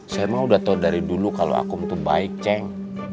saya mah udah tau dari dulu kalau akum tuh baik ceng